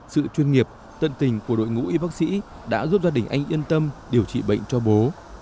sự chuyên nghiệp tận tình của đội ngũ y bác sĩ đã giúp gia đình anh yên tâm điều trị bệnh cho bố